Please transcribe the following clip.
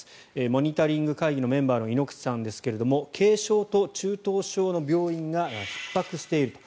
モニタリング会議のメンバーの猪口さんですが軽症と中等症の病院がひっ迫していると。